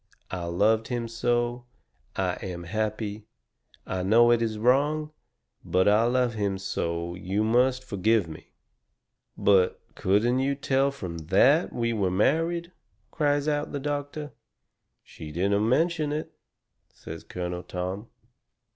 I LOVED HIM SO. I AM HAPPY. I KNOW IT IS WRONG, BUT I LOVE HIM SO YOU MUST FORGIVE ME.'" "But couldn't you tell from THAT we were married?" cries out the doctor. "She didn't mention it," says Colonel Tom.